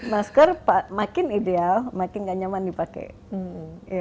masker makin ideal makin nggak nyaman dipakai